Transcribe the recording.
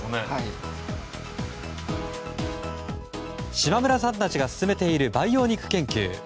島村さんたちが進めている培養肉研究。